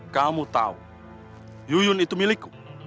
kamu tahu yuyun itu milikku